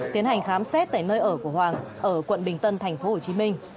tiến hành khám xét tại nơi ở của hoàng ở quận bình tân thành phố hồ chí minh